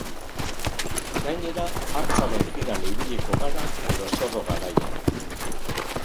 Gainera, hartzaren jiran ibiliko gara, lozorro garaian.